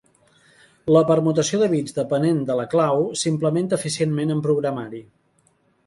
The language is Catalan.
La permutació de bits dependent de la clau s'implementa eficientment en programari.